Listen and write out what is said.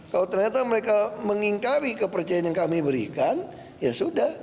kalau ternyata mereka mengingkari kepercayaan yang kami berikan ya sudah